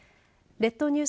列島ニュース。